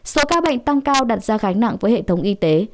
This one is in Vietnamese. số ca bệnh tăng cao đặt ra gánh nặng với hệ thống y tế